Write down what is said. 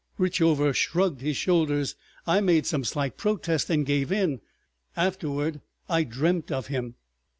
Richover shrugged his shoulders. I made some slight protest and gave in. ... Afterward I dreamt of him.